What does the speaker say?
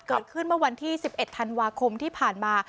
เกิดขึ้นเมื่อวันที่๑๑ธันวาคมที่ผ่านมา